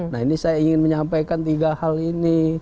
nah ini saya ingin menyampaikan tiga hal ini